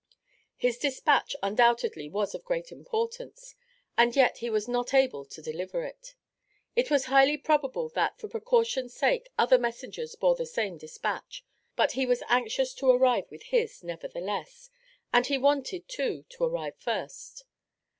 His dispatch undoubtedly was of great importance, and yet he was not able to deliver it. It was highly probable that for precaution's sake other messengers bore the same dispatch, but he was anxious to arrive with his nevertheless, and he wanted, too, to arrive first.